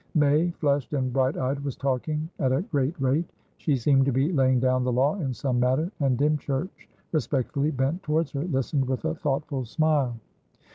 May, flushed and bright eyed, was talking at a great rate; she seemed to be laying down the law in some matter, and Dymchurch, respectfully bent towards her, listened with a thoughtful smile.